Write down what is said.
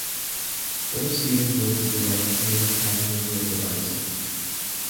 Robert Stevens was the director and Tad Mosel the writer.